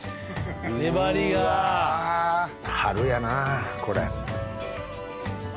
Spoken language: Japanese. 春やなぁこれ。